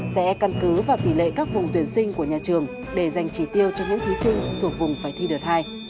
sẽ căn cứ vào tỷ lệ các vùng tuyển sinh của nhà trường để dành trí tiêu cho những thí sinh thuộc vùng phải thi đợt hai